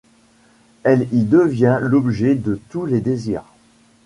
Elle y devient l'objet de tous les désirs.